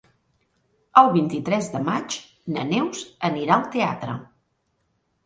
El vint-i-tres de maig na Neus anirà al teatre.